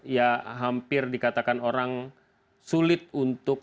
ya hampir dikatakan orang sulit untuk